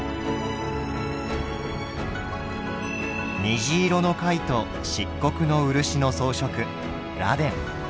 虹色の貝と漆黒の漆の装飾螺鈿。